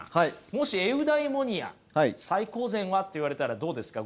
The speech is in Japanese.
もしエウダイモニア「最高善は？」って言われたらどうですか？